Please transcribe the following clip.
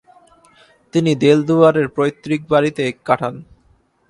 তিনি দেলদুয়ারের পৈতৃক বাড়িতে কাটান।